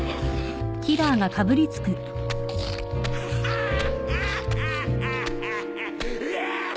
ハハハハ！